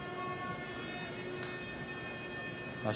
場所